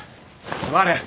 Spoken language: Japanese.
座れ。